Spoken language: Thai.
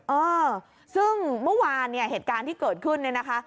เออซึ่งเมื่อวานเนี่ยเหตุการณ์ที่เกิดขึ้นเนี่ยนะคะ